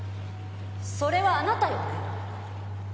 それはあなたよね？